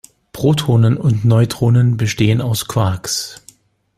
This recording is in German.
Protonen und Neutronen bestehen aus Quarks.